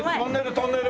トンネル！